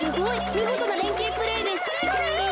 みごとなれんけいプレーです。